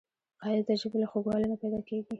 ښایست د ژبې له خوږوالي نه پیداکیږي